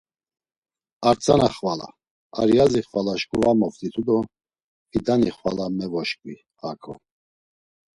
A tzana xvala, a yazi xvala şǩu va moft̆itu do Fidani xvala komevoşǩvi hako.